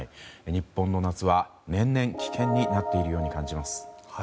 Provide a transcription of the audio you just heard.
日本の夏は年々危険になっているように感じます。